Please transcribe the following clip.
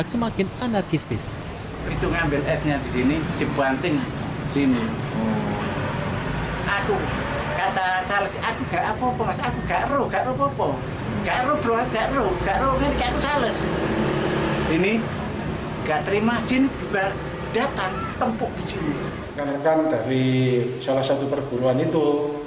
karena kan dari salah satu perguruan itu